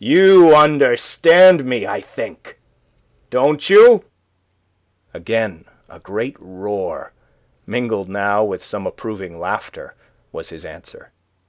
You understand me, I think? Don't you?" Again a great roar, mingled now with some approving laughter, was his answer.